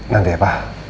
nanti ya pak